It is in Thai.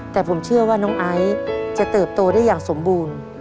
แต่ผมเชื่อว่าน้องไอซ์จะเติบโตได้อย่างสมบูรณ์